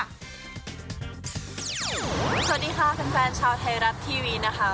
สวัสดีค่ะแฟนชาวไทยรัฐทีวีนะคะ